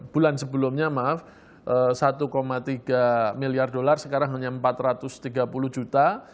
bulan sebelumnya maaf satu tiga miliar dolar sekarang hanya empat ratus tiga puluh juta